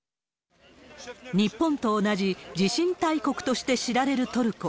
日本と同じ地震大国として知られるトルコ。